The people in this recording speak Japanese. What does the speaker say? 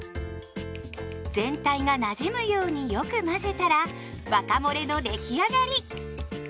全体がなじむようによく混ぜたらワカモレの出来上がり。